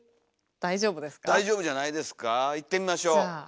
大丈夫じゃないですかいってみましょう。